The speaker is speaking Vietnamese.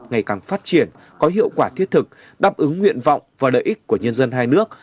ngày càng phát triển có hiệu quả thiết thực đáp ứng nguyện vọng và lợi ích của nhân dân hai nước